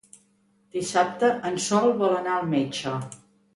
Dissabte en Sol vol anar al metge.